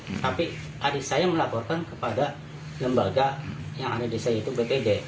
tetapi adik saya melaporkan kepada lembaga yang ada di saya itu btd